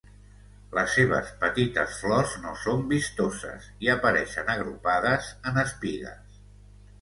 Les seves petites flors no són vistoses i apareixen agrupades en espigues.